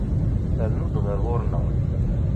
Rnu-d ɣer ɣur-neɣ!